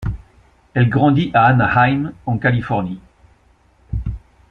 Elle grandit à Anaheim, en Californie.